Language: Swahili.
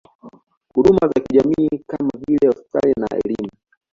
Huduma za kijamii kama vile hospitali na elimu